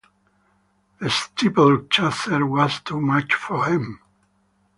The steeple-chaser was too much for him.